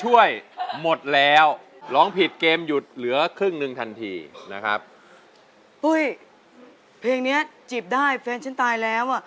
เฮ้ยเพลงนี้จีบได้แฟนของฉันตายแล้ว